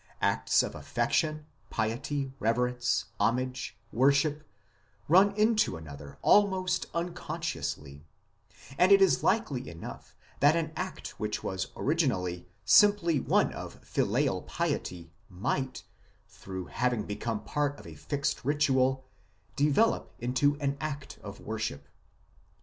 Acts of affection, piety, reverence, homage, worship, run into one another almost unconsciously ; and it is likely enough that an act which was originally simply one of 112 IMMORTALITY AND THE UNSEEN WORLD filial piety might, through having become part of a fixed ritual, develop into an act of worship.